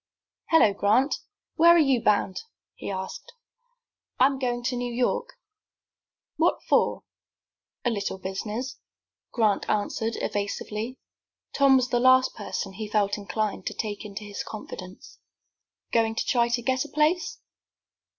"Hello, Grant! Where are you bound?" he asked. "I am going to New York." "What for?" "A little business," Grant answered, evasively. Tom was the last person he felt inclined to take into his confidence. "Goin' to try to get a place?"